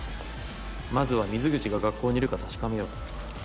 まずは水口が学校にいるか確かめよう。